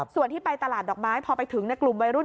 ส่วนที่ไปตลาดดอกไม้พอไปถึงกลุ่มวัยรุ่น